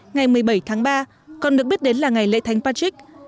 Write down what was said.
ngày một mươi bảy tháng ba còn được biết đến là ngày lễ thánh patrick